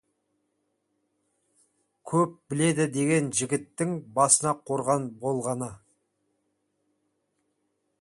«Көп біледі» деген жігіттің басына қорған болғаны.